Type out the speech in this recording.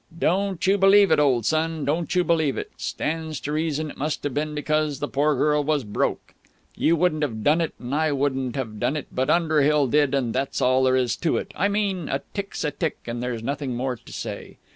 "Don't you believe it, old son. Don't you believe it. Stands to reason it must have been because the poor girl was broke. You wouldn't have done it and I wouldn't have done it, but Underhill did, and that's all there is to it. I mean, a tick's a tick, and there's nothing more to say.